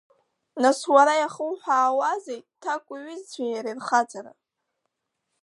Нас уара иахуҳәаауазеи ҭакәи иҩызцәеи иареи рхаҵара?